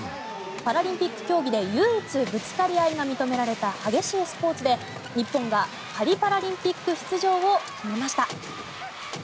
パラリンピック競技で唯一ぶつかり合いが認められた激しいスポーツで日本がパリパラリンピック出場を決めました。